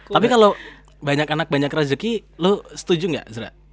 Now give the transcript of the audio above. tapi kalau banyak anak banyak rezeki lo setuju nggak zra